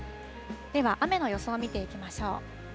では雨の予想を見ていきましょう。